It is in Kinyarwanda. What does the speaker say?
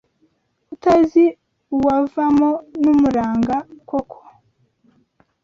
Utazi uwavamo n’umuranga koko